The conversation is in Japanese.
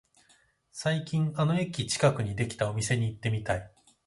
最近あの駅近くにできたお店に行ってみたい